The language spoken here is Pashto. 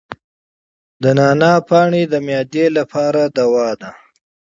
د نعناع پاڼې د معدې لپاره دوا ده.